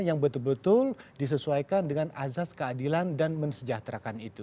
yang betul betul disesuaikan dengan azas keadilan dan mensejahterakan itu